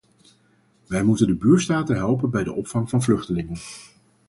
Wij moeten de buurstaten helpen bij de opvang van vluchtelingen.